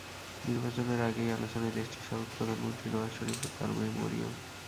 নির্বাচনের আগেই আলোচনায় দেশটির সাবেক প্রধানমন্ত্রী নওয়াজ শরিফ ও তাঁর মেয়ে মরিয়ম।